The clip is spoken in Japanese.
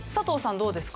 どうですか？